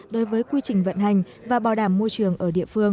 đối với quy trình vận hành và bảo đảm môi trường ở địa phương